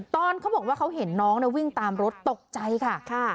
ตอนเขาบอกว่าเขาเห็นน้องวิ่งตามรถตกใจค่ะ